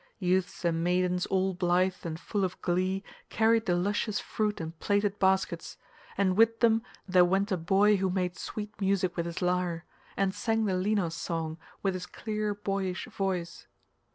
Youths and maidens all blithe and full of glee, carried the luscious fruit in plaited baskets; and with them there went a boy who made sweet music with his lyre, and sang the Linos song with his clear boyish voice.